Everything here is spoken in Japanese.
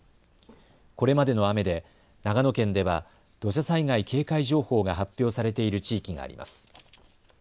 これまでの雨で長野県では土砂災害警戒情報が発表されている地域があります。